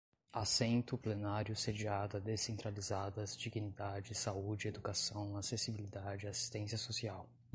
assento, plenário, sediada, descentralizadas, dignidade, saúde, educação, acessibilidade, assistência social